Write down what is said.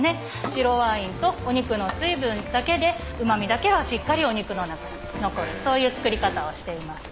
白ワインとお肉の水分だけでうま味だけはしっかりお肉の中に残るそういう作り方をしています。